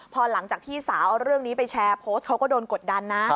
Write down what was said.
พอหลังจากพี่สาวเอาเรื่องนี้ไปแชร์โพสต์เขาก็โดนกดดันนะ